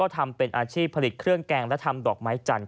ทำเป็นอาชีพผลิตเครื่องแกงและทำดอกไม้จันท